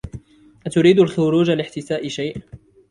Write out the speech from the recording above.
أتريد الخروج لاحتساء شيء؟